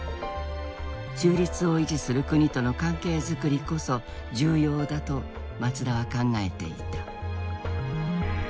中立を維持する国との関係づくりこそ重要だと松田は考えていた。